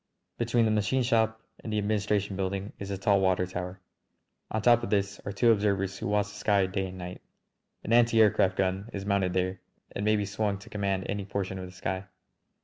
Between the machine shop and the administration building is a tall water tower. On top of this are two observers who watch the sky day and night. An anti aircraft gun is mounted there and may be swung to command any portion of the sky.